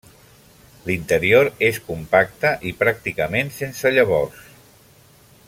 L'interior és compacte i pràcticament sense llavors.